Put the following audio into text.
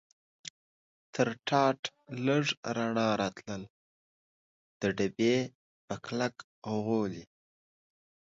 تر ټاټ لږ رڼا راتلل، د ډبې په کلک غولي.